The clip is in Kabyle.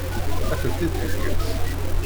Ad tent-id-tekkes?